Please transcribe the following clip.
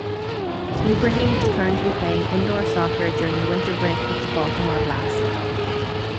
Ibrahim is currently playing indoor soccer during the winter break with the Baltimore Blast.